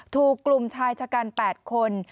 ถูกกลุ่มชายชะกัน๘คน